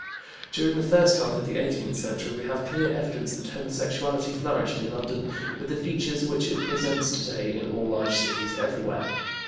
During the first half of the eighteenth century we have clear evidence that homosexuality flourished in London with the features which it presents today in all large cities everywhere.